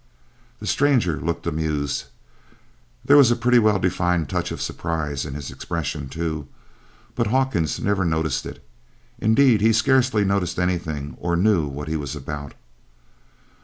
The stranger looked amused, and there was a pretty well defined touch of surprise in his expression, too, but Hawkins never noticed it. Indeed he scarcely noticed anything or knew what he was about.